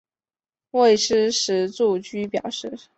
未施实住居表示。